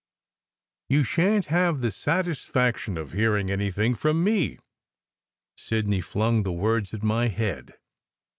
"You shan t have the satisfaction of hearing anything from me! " Sidney flung the words at my head.